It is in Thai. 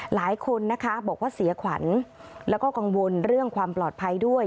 หลายคนนะคะบอกว่าเสียขวัญแล้วก็กังวลเรื่องความปลอดภัยด้วย